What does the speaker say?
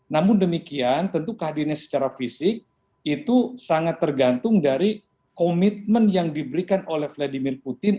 namun demikian tentu kehadiran secara fisik itu sangat tergantung dari komitmen yang diberikan oleh vladimir putin